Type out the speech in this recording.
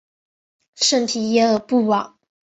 圣皮耶尔布瓦。